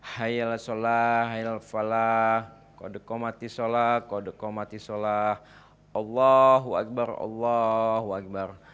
khair sholat khair falah qadukumati sholat qadukumati sholat allahu akbar allahu akbar